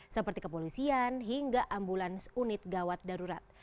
seperti kepolisian hingga ambulans unit gawat darurat